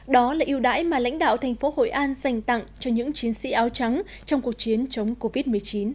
đó là yêu đáy mà lãnh đạo thành phố hội an dành tặng cho những chiến sĩ áo trắng trong cuộc chiến chống covid một mươi chín